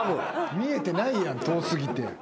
見えてないやん遠過ぎて。